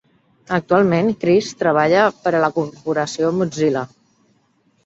Actualment, Chris treballa per a la Corporació Mozilla.